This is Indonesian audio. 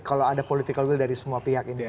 kalau ada political will dari semua pihak ini